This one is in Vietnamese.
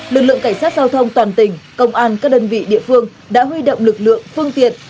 lực lượng cảnh sát giao thông toàn tỉnh công an các đơn vị địa phương đã huy động lực lượng phương tiện